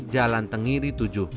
jalan tenggiri tujuh